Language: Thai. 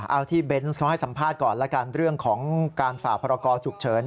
เอาที่เบนส์เขาให้สัมภาษณ์ก่อนแล้วกันเรื่องของการฝ่าพรกรฉุกเฉิน